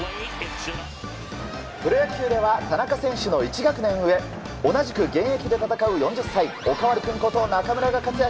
プロ野球では田中選手の１学年上同じく現役で戦う４０歳おかわり君こと中村が活躍。